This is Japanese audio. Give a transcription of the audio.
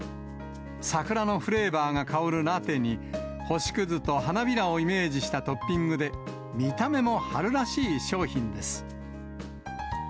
桜のフレーバーが香るラテに、星くずと花びらをイメージしたトッピングで、見た目も春らしい商品です。